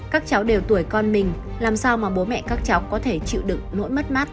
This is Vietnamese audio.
các cháu đều tuổi con mình làm sao mà bố mẹ các cháu có thể chịu đựng nỗi mất mát